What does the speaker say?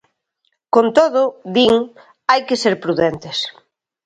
Con todo, din, hai que ser prudentes.